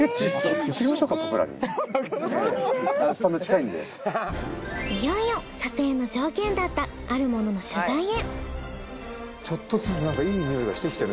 いよいよ撮影の条件だったあるモノの取材へ。